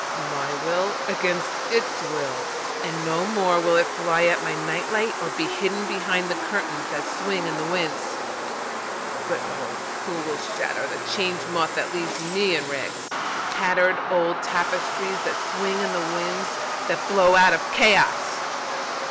My will against its will, and no more will it fly at my night light or be hidden behind the curtains that swing in the winds.(But O who will shatter the Change Moth that leaves me in rags—tattered old tapestries that swing in the winds that blow out of Chaos!)